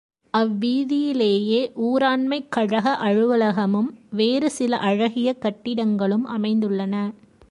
அவ் வீதியிலேயே ஊராண்மைக் கழக அலுவலகமும், வேறு சில அழகிய கட்டிடங்களும் அமைந்துள்ளன.